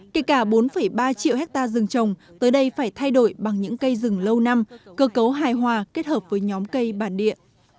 kể cả bốn ba triệu hectare rừng trồng tới đây phải thay đổi bằng những cây rừng lâu năm cơ cấu hài hòa kết hợp với nhóm cây bản địa